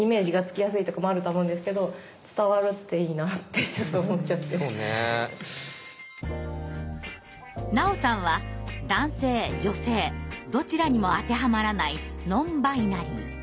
いやすいません菜央さんは男性・女性どちらにもあてはまらないノンバイナリー。